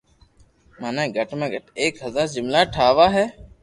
مني گھٽ ۾ گھت ايڪ ھزار جملا ٺاوا ھي